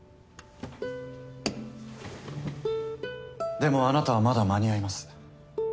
でもあなたはまだ間に合います。